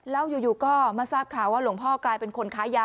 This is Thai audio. แล้วอยู่ก็มาทราบข่าวว่าหลวงพ่อกลายเป็นคนค้ายา